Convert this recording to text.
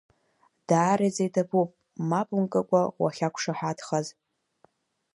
Даараӡа иҭабуп мап мкыкәа уахьақәшаҳаҭхаз!